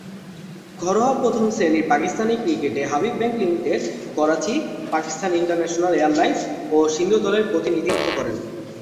ঘরোয়া প্রথম-শ্রেণীর পাকিস্তানি ক্রিকেটে Habib Bank Limited, Karachi, Pakistan International Airlines ও সিন্ধু দলের প্রতিনিধিত্ব করেন।